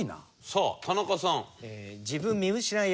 さあ田中さん。